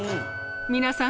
皆さん。